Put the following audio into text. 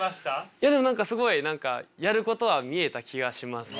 いやでも何かすごい何かやることは見えた気がします。